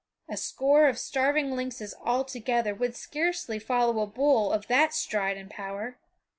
A score of starving lynxes all together would scarcely follow a bull of that stride and power.